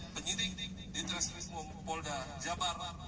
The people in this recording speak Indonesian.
pertama penyidik di trastrimum polda jabar